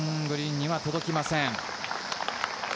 グリーンには届きません。